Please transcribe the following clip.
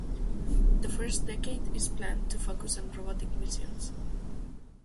The first decade is planned to focus on robotic missions.